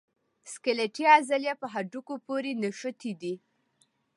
سکلیټي عضلې په هډوکو پورې نښتي دي.